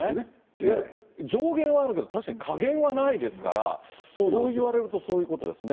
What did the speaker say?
いわゆる上限はあるけど確かに下限はないですから、そういわれるとそういうことですよね。